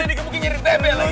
ada dikepukin nyari tebek lagi